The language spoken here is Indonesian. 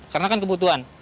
karena kan kebutuhan